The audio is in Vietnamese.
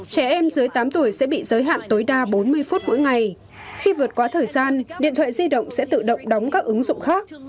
trẻ em dưới tám tuổi sẽ bị giới hạn tối đa bốn mươi phút mỗi ngày khi vượt quá thời gian điện thoại di động sẽ tự động đóng các ứng dụng khác